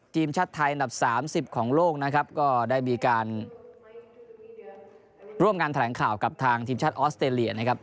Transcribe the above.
ทีมชาติไทยอันดับสามสิบของโลกนะครับก็ได้มีการร่วมงานแถลงข่าวกับทางทีมชาติออสเตรเลียนะครับ